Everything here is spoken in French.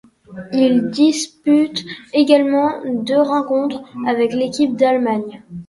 Il dispute également deux rencontres avec l'équipe d'Allemagne.